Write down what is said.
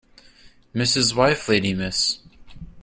Mrs. wife lady Miss